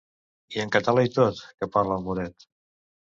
I en català i tot, que parla el moret!